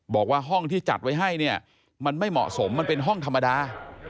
บอกว่าห้องที่จัดไว้ให้เนี่ยมันไม่เหมาะสมมันเป็นห้องธรรมดา